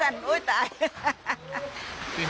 แล้ว